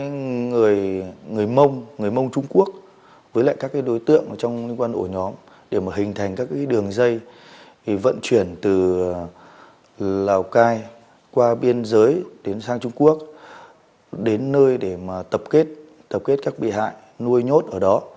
cái thứ hai nữa đó là sự phối hợp sự móc nối giữa người mông trung quốc với các đối tượng trong liên quan ổ nhóm để hình thành các đường dây vận chuyển từ lào cai qua biên giới đến sang trung quốc đến nơi để tập kết các bị hại nuôi nhốt ở đó